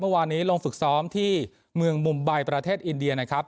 เมื่อวานนี้ลงฝึกซ้อมที่เมืองมุมไบประเทศอินเดียนะครับ